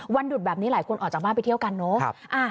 วันหยุดแบบนี้หลายคนออกจากบ้านไปเที่ยวกันเนอะ